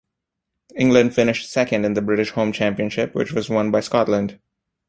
England finished second in the British Home Championship, which was won by Scotland.